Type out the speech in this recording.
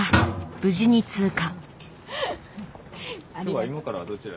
無事に通過。